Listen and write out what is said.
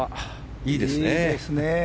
いいですね。